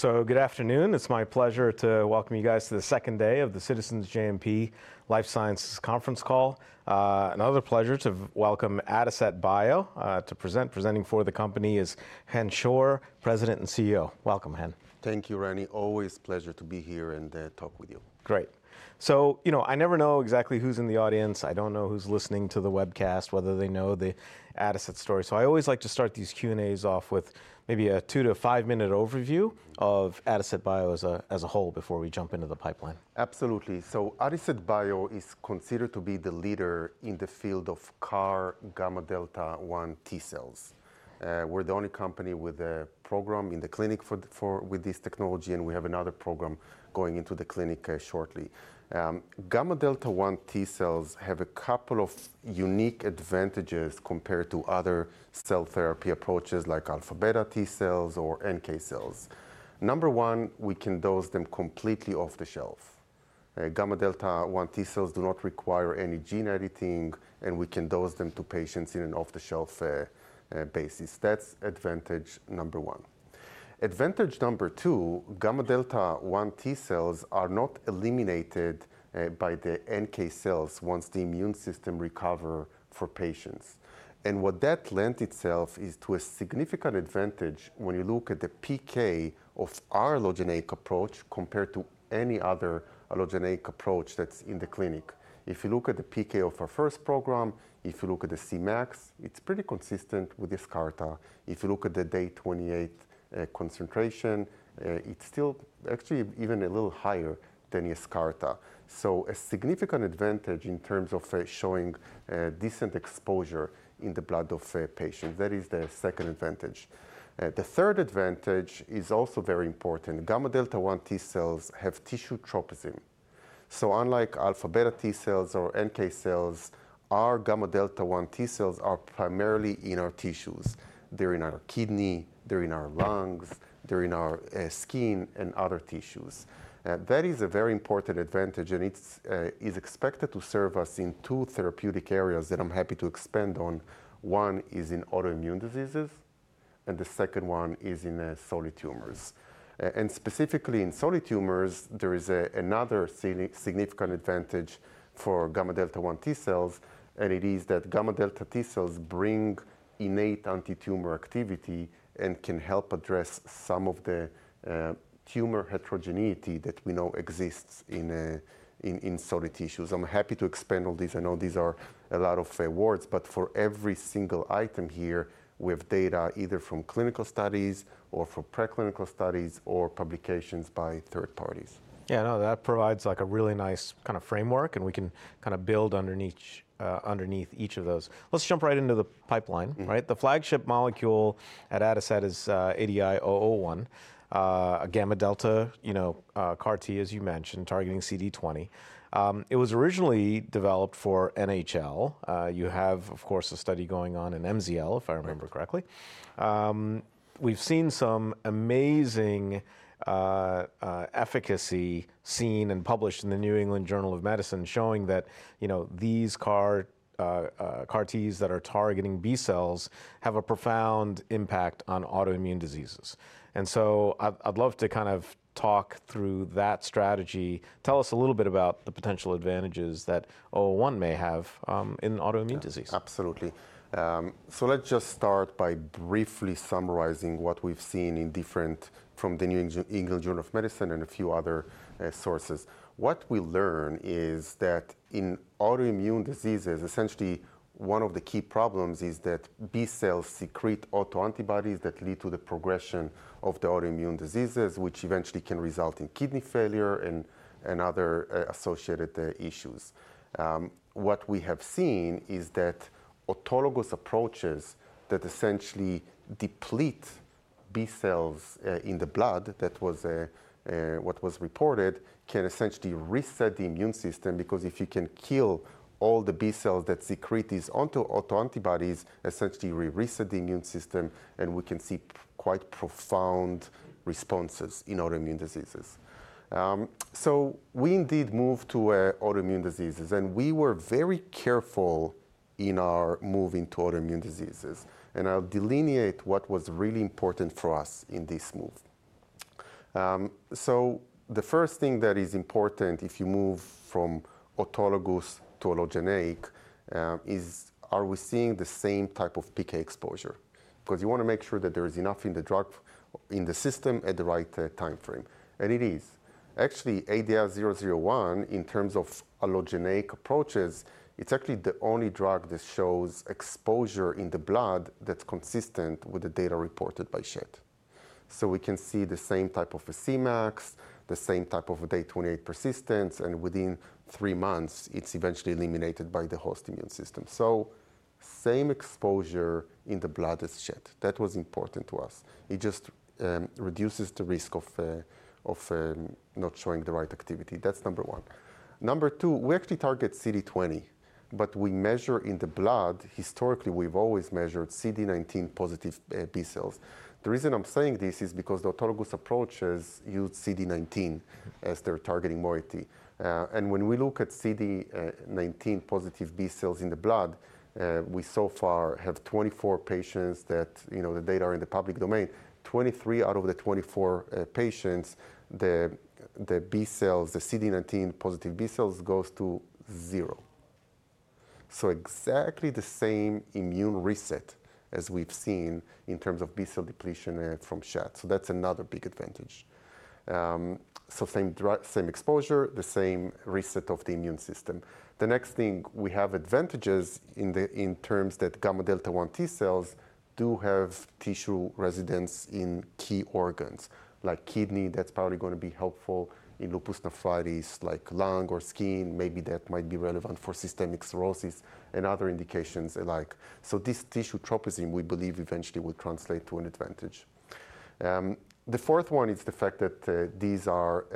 Good afternoon. It's my pleasure to welcome you guys to the second day of the Citizens JMP Life Sciences Conference call. Another pleasure to welcome Adicet Bio to present. Presenting for the company is Chen Schor, President and CEO. Welcome, Chen. Thank you, Reni. Always a pleasure to be here and talk with you. Great. So, you know, I never know exactly who's in the audience. I don't know who's listening to the webcast, whether they know the Adicet story. So I always like to start these Q&As off with maybe a 2-5-minute overview of Adicet Bio as a whole before we jump into the pipeline. Absolutely. So Adicet Bio is considered to be the leader in the field of CAR-Gamma Delta 1 T cells. We're the only company with a program in the clinic for with this technology, and we have another program going into the clinic, shortly. Gamma Delta 1 T cells have a couple of unique advantages compared to other cell therapy approaches like Alpha Beta T cells or NK cells. Number one, we can dose them completely off-the-shelf. Gamma Delta 1 T cells do not require any gene editing, and we can dose them to patients in an off-the-shelf basis. That's advantage number one. Advantage number two, Gamma Delta 1 T cells are not eliminated by the NK cells once the immune system recovers for patients. And what that lends itself to a significant advantage when you look at the PK of our allogeneic approach compared to any other allogeneic approach that's in the clinic. If you look at the PK of our first program, if you look at the Cmax, it's pretty consistent with Yescarta. If you look at the day 28 concentration, it's still actually even a little higher than Yescarta. So a significant advantage in terms of showing decent exposure in the blood of patients. That is the second advantage. The third advantage is also very important. Gamma Delta 1 T cells have tissue tropism. So unlike Alpha Beta T cells or NK cells, our Gamma Delta 1 T cells are primarily in our tissues. They're in our kidney, they're in our lungs, they're in our skin, and other tissues. That is a very important advantage, and it's expected to serve us in two therapeutic areas that I'm happy to expand on. One is in autoimmune diseases, and the second one is in solid tumors. And specifically in solid tumors, there is another significant advantage for Gamma Delta 1 T cells, and it is that Gamma Delta T cells bring innate antitumor activity and can help address some of the tumor heterogeneity that we know exists in solid tissues. I'm happy to expand on these. I know these are a lot of words, but for every single item here, we have data either from clinical studies or from preclinical studies or publications by third parties. Yeah, no, that provides, like, a really nice kind of framework, and we can kind of build underneath each of those. Let's jump right into the pipeline, right? The flagship molecule at Adicet is ADI-001, a gamma delta, you know, CAR-T as you mentioned, targeting CD20. It was originally developed for NHL. You have, of course, a study going on in MZL, if I remember correctly. We've seen some amazing efficacy seen and published in the New England Journal of Medicine showing that, you know, these CAR-Ts that are targeting B cells have a profound impact on autoimmune diseases. And so I'd, I'd love to kind of talk through that strategy. Tell us a little bit about the potential advantages that 001 may have in autoimmune disease. Absolutely. So let's just start by briefly summarizing what we've seen in data from the New England Journal of Medicine and a few other sources. What we learn is that in autoimmune diseases, essentially, one of the key problems is that B cells secrete autoantibodies that lead to the progression of the autoimmune diseases, which eventually can result in kidney failure and other associated issues. What we have seen is that autologous approaches that essentially deplete B cells in the blood, that, what was reported, can essentially reset the immune system because if you can kill all the B cells that secrete these autoantibodies, essentially reset the immune system, and we can see quite profound responses in autoimmune diseases. So we indeed moved to autoimmune diseases, and we were very careful in our move into autoimmune diseases. I'll delineate what was really important for us in this move. So the first thing that is important if you move from autologous to allogeneic, is, are we seeing the same type of PK exposure? Because you want to make sure that there is enough in the drug in the system at the right time frame. It is. Actually, ADI-001, in terms of allogeneic approaches, it's actually the only drug that shows exposure in the blood that's consistent with the data reported by Schett. So we can see the same type of a Cmax, the same type of a day 28 persistence, and within three months, it's eventually eliminated by the host immune system. So same exposure in the blood as Schett. That was important to us. It just reduces the risk of not showing the right activity. That's number one. 2, we actually target CD20, but we measure in the blood historically, we've always measured CD19 positive B cells. The reason I'm saying this is because the autologous approaches use CD19 as their targeting moiety. And when we look at CD19 positive B cells in the blood, we so far have 24 patients that, you know, the data are in the public domain. 23 out of the 24 patients, the B cells, the CD19 positive B cells goes to zero. So exactly the same immune reset as we've seen in terms of B cell depletion, from Schett. So that's another big advantage. So same drug, same exposure, the same reset of the immune system. The next thing, we have advantages in terms that Gamma Delta 1 T cells do have tissue residence in key organs. Like kidney, that's probably going to be helpful in lupus nephritis, like lung or skin. Maybe that might be relevant for systemic sclerosis and other indications alike. So this tissue tropism, we believe, eventually will translate to an advantage. The fourth one is the fact that, these are,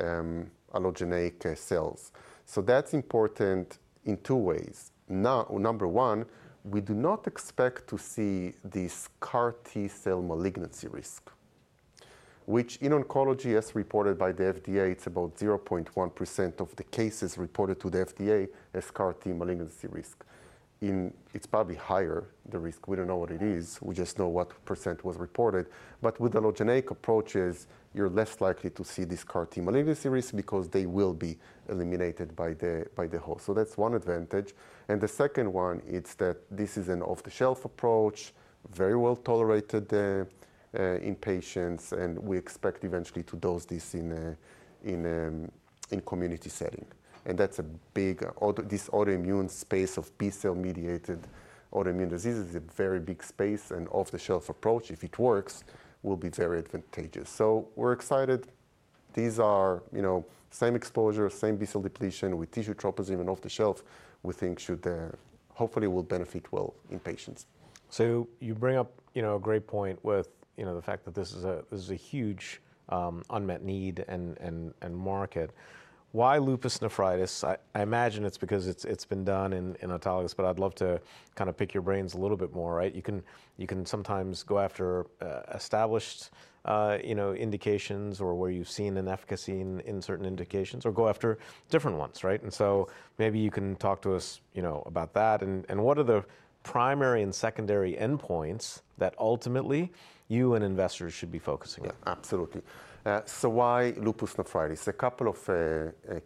allogeneic, cells. So that's important in two ways. Now, number one, we do not expect to see this CAR-T cell malignancy risk, which in oncology, as reported by the FDA, it's about 0.1% of the cases reported to the FDA as CAR-T malignancy risk. Indeed, it's probably higher, the risk. We don't know what it is. We just know what percent was reported. But with allogeneic approaches, you're less likely to see this CAR-T malignancy risk because they will be eliminated by the host. So that's one advantage. The second one is that this is an off-the-shelf approach, very well tolerated in patients, and we expect eventually to dose this in community setting. That's a big autoimmune space of B cell-mediated autoimmune diseases; it's a very big space, and off-the-shelf approach, if it works, will be very advantageous. So we're excited. These are, you know, same exposure, same B cell depletion with tissue tropism and off-the-shelf; we think should, hopefully will benefit well in patients. So you bring up, you know, a great point with, you know, the fact that this is a huge, unmet need and, and, and market. Why Lupus Nephritis? I imagine it's because it's been done in autologous, but I'd love to kind of pick your brains a little bit more, right? You can sometimes go after established, you know, indications or where you've seen an efficacy in certain indications, or go after different ones, right? And so maybe you can talk to us, you know, about that. And what are the primary and secondary endpoints that ultimately you and investors should be focusing on? Yeah, absolutely. So why lupus nephritis? A couple of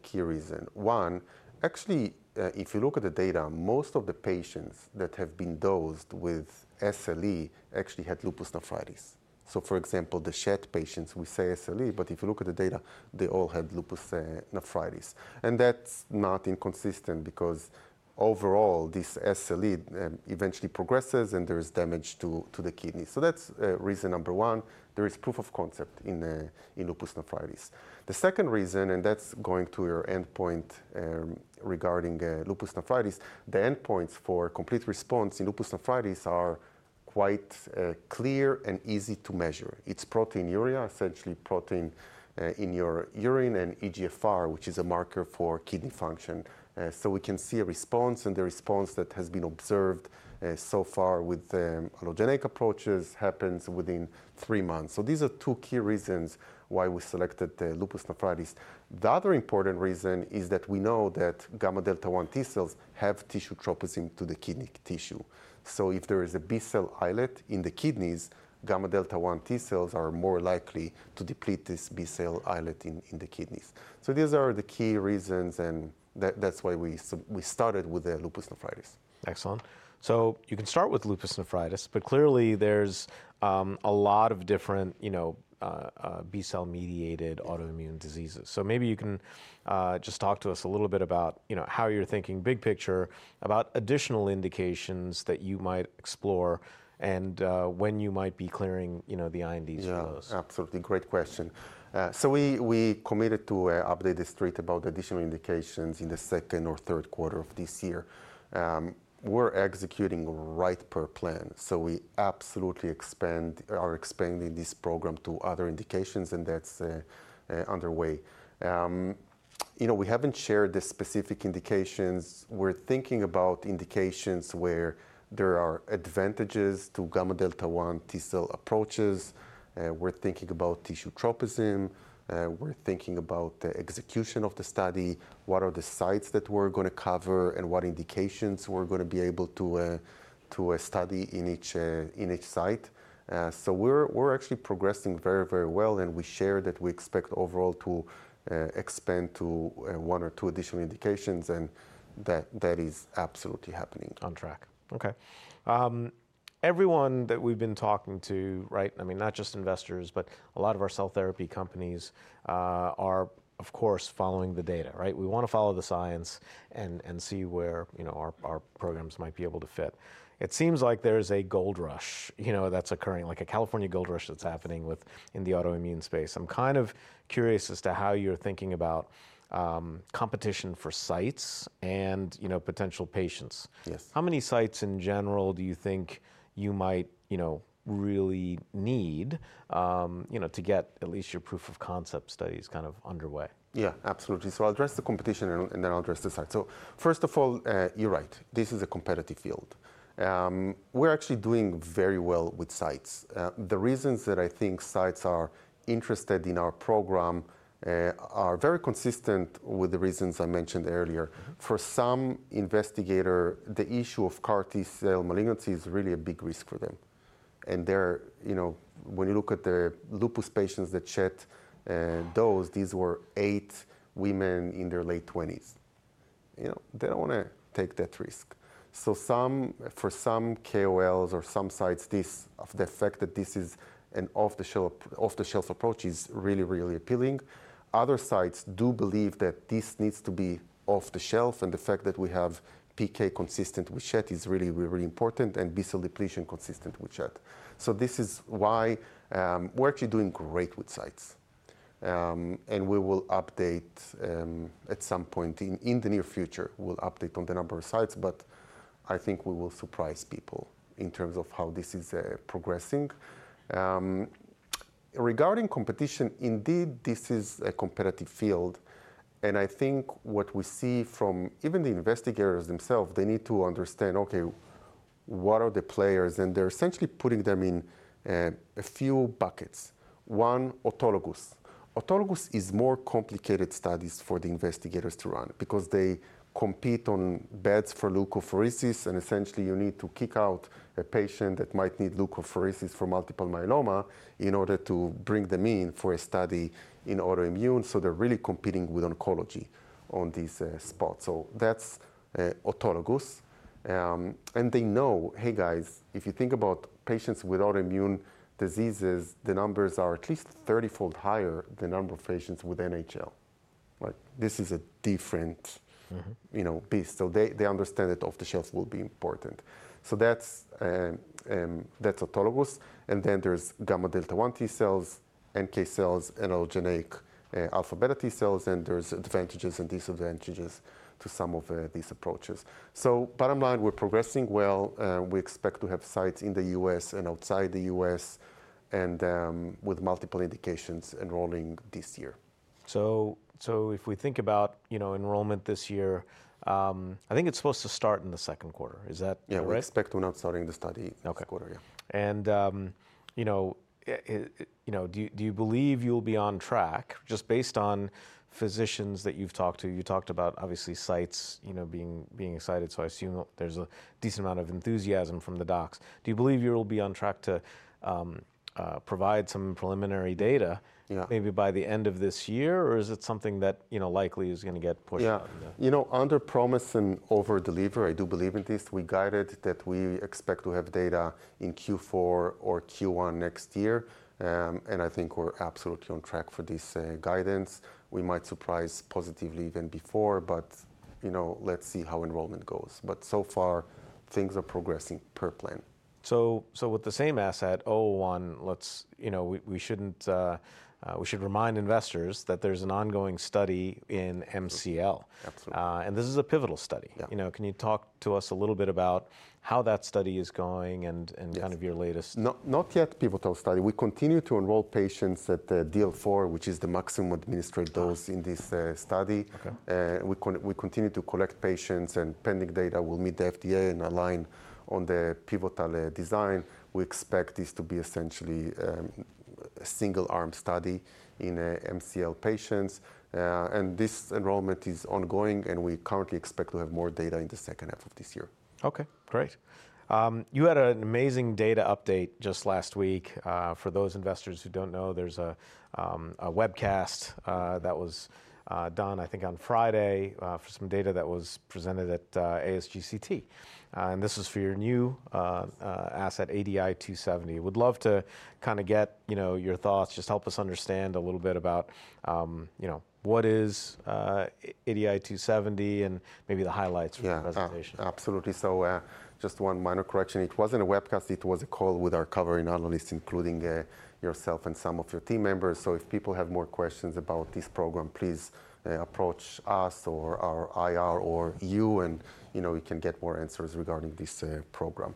key reasons. One, actually, if you look at the data, most of the patients that have been dosed with SLE actually had lupus nephritis. So for example, the Schett patients, we say SLE, but if you look at the data, they all had lupus nephritis. And that's not inconsistent because overall, this SLE eventually progresses and there is damage to the kidney. So that's reason number one. There is proof of concept in lupus nephritis. The second reason, and that's going to your endpoint regarding lupus nephritis, the endpoints for complete response in lupus nephritis are quite clear and easy to measure. It's proteinuria, essentially protein in your urine, and eGFR, which is a marker for kidney function. So we can see a response, and the response that has been observed so far with allogeneic approaches happens within three months. So these are two key reasons why we selected lupus nephritis. The other important reason is that we know that Gamma Delta 1 T cells have tissue tropism to the kidney tissue. So if there is a B cell islet in the kidneys, Gamma Delta 1 T cells are more likely to deplete this B cell islet in the kidneys. So these are the key reasons, and that's why we started with lupus nephritis. Excellent. So you can start with lupus nephritis, but clearly there's a lot of different, you know, B cell-mediated autoimmune diseases. So maybe you can just talk to us a little bit about, you know, how you're thinking big picture about additional indications that you might explore and when you might be clearing, you know, the INDs for those. Yeah, absolutely. Great question. So we committed to update the street about additional indications in the second or third quarter of this year. We're executing right per plan. So we absolutely are expanding this program to other indications, and that's underway. You know, we haven't shared the specific indications. We're thinking about indications where there are advantages to Gamma Delta 1 T cell approaches. We're thinking about tissue tropism. We're thinking about the execution of the study. What are the sites that we're going to cover and what indications we're going to be able to study in each site? So we're actually progressing very, very well, and we share that we expect overall to expand to one or two additional indications, and that is absolutely happening. On track. Okay. Everyone that we've been talking to, right? I mean, not just investors, but a lot of our cell therapy companies, are, of course, following the data, right? We want to follow the science and see where, you know, our programs might be able to fit. It seems like there's a gold rush, you know, that's occurring, like a California gold rush that's happening within the autoimmune space. I'm kind of curious as to how you're thinking about competition for sites and, you know, potential patients. Yes. How many sites in general do you think you might, you know, really need, you know, to get at least your proof of concept studies kind of underway? Yeah, absolutely. So I'll address the competition, and then I'll address the sites. So first of all, you're right. This is a competitive field. We're actually doing very well with sites. The reasons that I think sites are interested in our program are very consistent with the reasons I mentioned earlier. For some investigators, the issue of CAR-T cell malignancy is really a big risk for them. And they're, you know, when you look at the lupus patients that Schett dosed, these were eight women in their late 20s. You know, they don't want to take that risk. So, for some KOLs or some sites, this, the fact that this is an off-the-shelf approach is really, really appealing. Other sites do believe that this needs to be off-the-shelf, and the fact that we have PK consistent with Schett is really, really important and B cell depletion consistent with Schett. So this is why we're actually doing great with sites. And we will update at some point in the near future, we'll update on the number of sites, but I think we will surprise people in terms of how this is progressing. Regarding competition, indeed, this is a competitive field. And I think what we see from even the investigators themselves, they need to understand, okay, what are the players, and they're essentially putting them in a few buckets. One, autologous. Autologous is more complicated studies for the investigators to run because they compete on beds for leukapheresis, and essentially you need to kick out a patient that might need leukapheresis for multiple myeloma in order to bring them in for a study in autoimmune. So that's autologous. They know, hey guys, if you think about patients with autoimmune diseases, the numbers are at least 30-fold higher than the number of patients with NHL. Like, this is a different, you know, beast. So they understand that off-the-shelf will be important. So that's autologous. And then there's Gamma Delta 1 T cells, NK cells, and allogeneic Alpha Beta T cells, and there's advantages and disadvantages to some of these approaches. So bottom line, we're progressing well. We expect to have sites in the U.S. and outside the U.S. and with multiple indications enrolling this year. So if we think about, you know, enrollment this year, I think it's supposed to start in the second quarter. Is that correct? Yeah, we expect to announce starting the study next quarter, yeah. Okay. And, you know, do you believe you'll be on track just based on physicians that you've talked to? You talked about obviously sites, you know, being excited, so I assume there's a decent amount of enthusiasm from the docs. Do you believe you'll be on track to provide some preliminary data. Yeah. Maybe by the end of this year, or is it something that, you know, likely is going to get pushed out in the. Yeah. You know, under promise and over deliver, I do believe in this. We guided that we expect to have data in Q4 or Q1 next year. And I think we're absolutely on track for this guidance. We might surprise positively even before, but, you know, let's see how enrollment goes. But so far, things are progressing per plan. So, with the same asset, 001, you know, we should remind investors that there's an ongoing study in MCL. Absolutely. This is a pivotal study. Yeah. You know, can you talk to us a little bit about how that study is going and kind of your latest? Not yet a pivotal study. We continue to enroll patients at DL4, which is the maximum administered dose in this study. Okay. We continue to collect patients, and pending data, we'll meet the FDA and align on the pivotal design. We expect this to be essentially a single-arm study in MCL patients. This enrollment is ongoing, and we currently expect to have more data in the second half of this year. Okay. Great. You had an amazing data update just last week. For those investors who don't know, there's a webcast that was done, I think, on Friday, for some data that was presented at ASGCT. And this was for your new asset, ADI-270. Would love to kind of get, you know, your thoughts, just help us understand a little bit about, you know, what is ADI-270 and maybe the highlights from the presentation. Yeah, absolutely. So, just one minor correction. It wasn't a webcast. It was a call with our covering analysts, including yourself and some of your team members. So if people have more questions about this program, please approach us or our IR or you, and you know, we can get more answers regarding this program.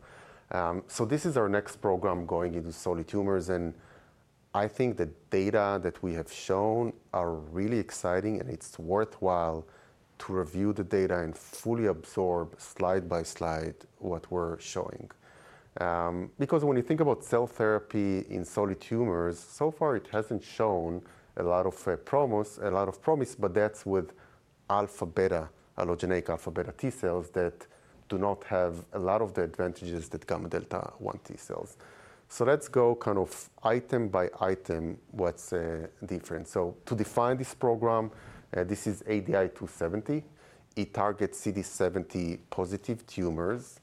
So this is our next program going into solid tumors, and I think the data that we have shown are really exciting, and it's worthwhile to review the data and fully absorb slide by slide what we're showing. Because when you think about cell therapy in solid tumors, so far it hasn't shown a lot of promise, a lot of promise, but that's with alpha beta, allogeneic Alpha Beta T Cells that do not have a lot of the advantages that Gamma Delta 1 T cells. So let's go kind of item by item what's different. So to define this program, this is ADI-270. It targets CD70-positive tumors.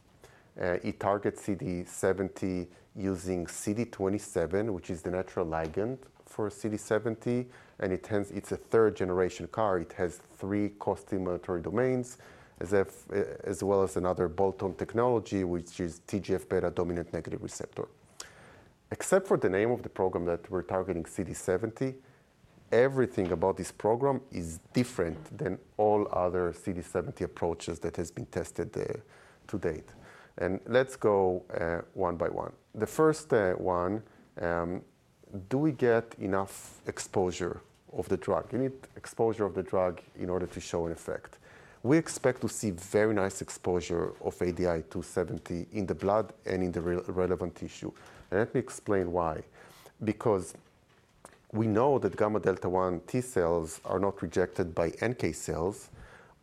It targets CD70 using CD27, which is the natural ligand for CD70, and hence it's a third-generation CAR. It has three costimulatory domains as well as another bolt-on technology, which is TGF beta dominant negative receptor. Except for the name of the program that we're targeting CD70, everything about this program is different than all other CD70 approaches that has been tested to date. And let's go one by one. The first one, do we get enough exposure of the drug? You need exposure of the drug in order to show an effect. We expect to see very nice exposure of ADI-270 in the blood and in the relevant tissue. And let me explain why. Because we know that Gamma Delta 1 T cells are not rejected by NK cells.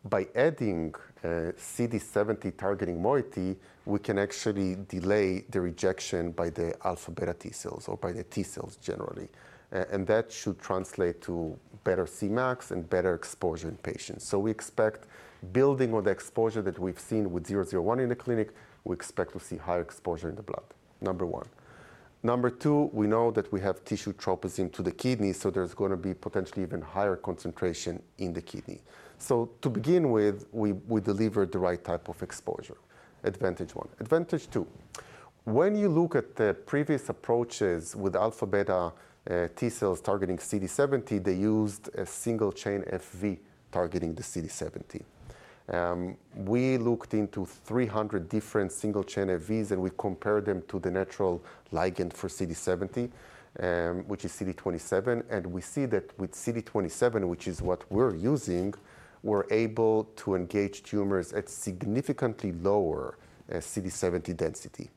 By adding CD70 targeting moiety, we can actually delay the rejection by the Alpha Beta T cells or by the T cells generally. And that should translate to better Cmax and better exposure in patients. So we expect building on the exposure that we've seen with 001 in the clinic, we expect to see higher exposure in the blood. Number one. Number two, we know that we have tissue tropism to the kidney, so there's going to be potentially even higher concentration in the kidney. So to begin with, we deliver the right type of exposure. Advantage one. Advantage two. When you look at the previous approaches with Alpha Beta T cells targeting CD70, they used a single-chain Fv targeting the CD70. We looked into 300 different single-chain Fvs, and we compared them to the natural ligand for CD70, which is CD27, and we see that with CD27, which is what we're using, we're able to engage tumors at significantly lower CD70 density.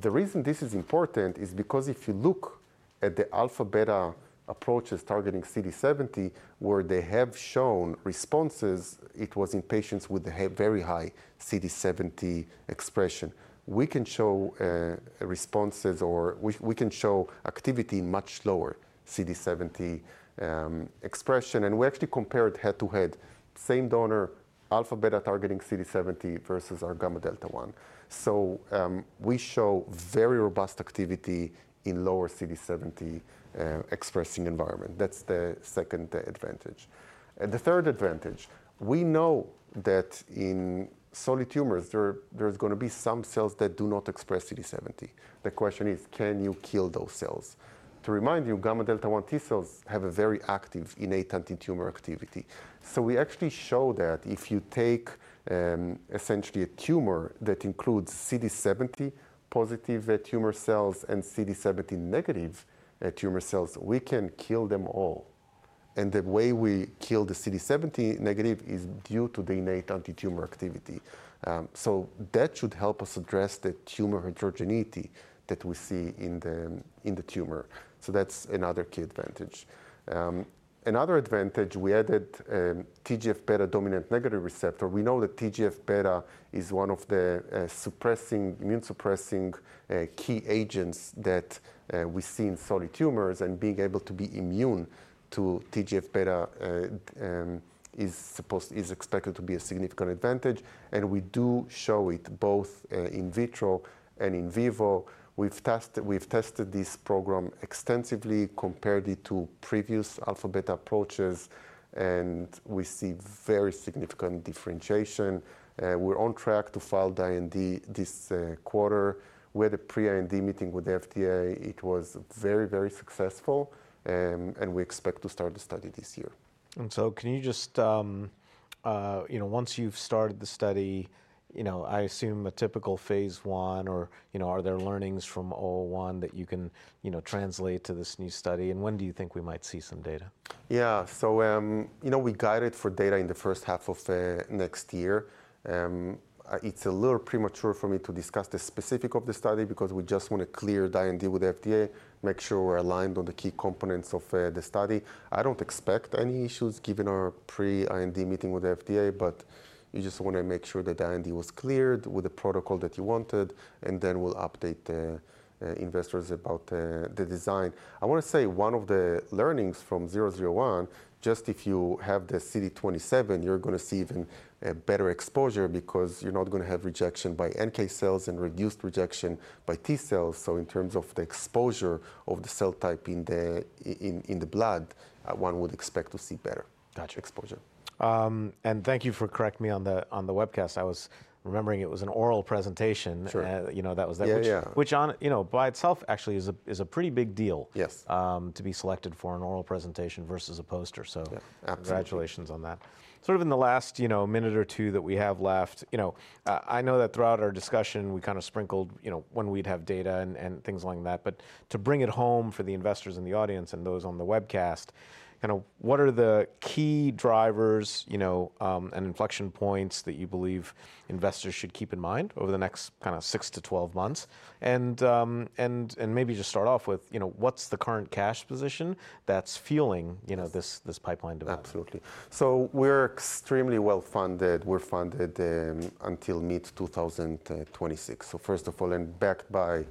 The reason this is important is because if you look at the alpha beta approaches targeting CD70, where they have shown responses, it was in patients with a very high CD70 expression. We can show responses, or we can show activity in much lower CD70 expression, and we actually compared head-to-head, same donor, alpha beta targeting CD70 versus our Gamma Delta 1. So, we show very robust activity in lower CD70-expressing environment. That's the second advantage. And the third advantage, we know that in solid tumors, there's going to be some cells that do not express CD70. The question is, can you kill those cells? To remind you, Gamma Delta 1 T cells have a very active innate antitumor activity. So we actually show that if you take, essentially a tumor that includes CD70-positive tumor cells and CD70-negative tumor cells, we can kill them all. And the way we kill the CD70-negative is due to the innate antitumor activity. So that should help us address the tumor heterogeneity that we see in the, in the tumor. So that's another key advantage. Another advantage, we added, TGF beta dominant negative receptor. We know that TGF beta is one of the, suppressing, immune-suppressing, key agents that, we see in solid tumors, and being able to be immune to TGF beta, is supposed is expected to be a significant advantage. And we do show it both, in vitro and in vivo. We've tested this program extensively, compared it to previous alpha beta approaches, and we see very significant differentiation. We're on track to file the IND this quarter. We had a pre-IND meeting with the FDA. It was very, very successful, and we expect to start the study this year. And so can you just, you know, once you've started the study, you know, I assume a typical phase 1 or, you know, are there learnings from 001 that you can, you know, translate to this new study? And when do you think we might see some data? Yeah. So, you know, we guided for data in the first half of next year. It's a little premature for me to discuss the specifics of the study because we just want to clear the IND with the FDA, make sure we're aligned on the key components of the study. I don't expect any issues given our pre-IND meeting with the FDA, but you just want to make sure that the IND was cleared with the protocol that you wanted, and then we'll update investors about the design. I want to say one of the learnings from ADI-001, just if you have the CD27, you're going to see even a better exposure because you're not going to have rejection by NK cells and reduced rejection by T cells. In terms of the exposure of the cell type in the blood, one would expect to see better exposure. Gotcha. And thank you for correcting me on the, on the webcast. I was remembering it was an oral presentation. Sure. You know, that was that which on, you know, by itself actually is a pretty big deal. Yes. to be selected for an oral presentation versus a poster. Congratulations on that. Sort of in the last, you know, minute or two that we have left, you know, I know that throughout our discussion we kind of sprinkled, you know, when we'd have data and things like that, but to bring it home for the investors in the audience and those on the webcast, kind of what are the key drivers, you know, and inflection points that you believe investors should keep in mind over the next kind of 6-12 months? And maybe just start off with, you know, what's the current cash position that's fueling, you know, this, this pipeline development? Absolutely. So we're extremely well-funded. We're funded until mid-2026. So first of all, and backed by,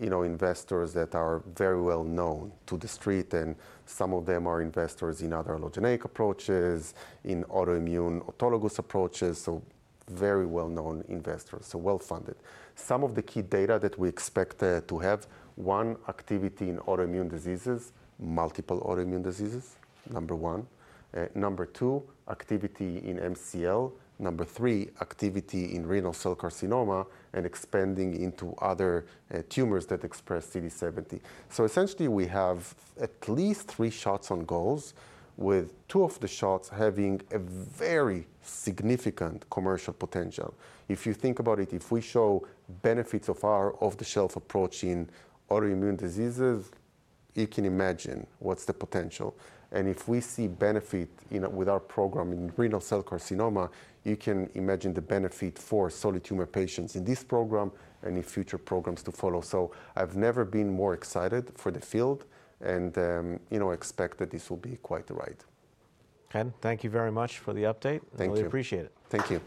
you know, investors that are very well-known to the street, and some of them are investors in other allogeneic approaches, in autoimmune autologous approaches, so very well-known investors, so well-funded. Some of the key data that we expect to have, 1, activity in autoimmune diseases, multiple autoimmune diseases, Number one. Number two, activity inMCL. Number three, activity in renal cell carcinoma and expanding into other tumors that express CD70. So essentially we have at least 3 shots on goals, with 2 of the shots having a very significant commercial potential. If you think about it, if we show benefits of our off-the-shelf approach in autoimmune diseases, you can imagine what's the potential. If we see benefit in, with our program in renal cell carcinoma, you can imagine the benefit for solid tumor patients in this program and in future programs to follow. I've never been more excited for the field and, you know, expect that this will be quite the ride. Chen, thank you very much for the update. Thank you. We appreciate it. Thank you.